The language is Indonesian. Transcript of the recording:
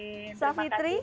insya allah amin